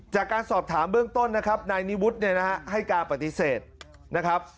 จากการสอบถามเบื้องต้นนะครับนายนิวุฒิเนี่ยนะฮะให้การปฏิเสธนะครับ